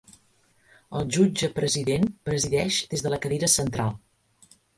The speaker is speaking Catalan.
El jutge president presideix des de la cadira central.